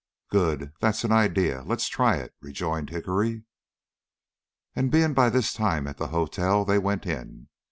"Good! that's an idea; let's try it," rejoined Hickory. And being by this time at the hotel, they went in.